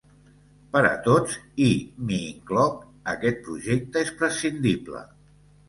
Per a tots, i m'hi incloc, aquest projecte és prescindible.